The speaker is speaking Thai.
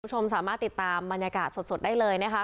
คุณผู้ชมสามารถติดตามบรรยากาศสดได้เลยนะคะ